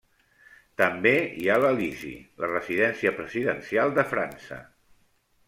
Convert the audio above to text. També hi ha l'Elisi, la residència presidencial de França.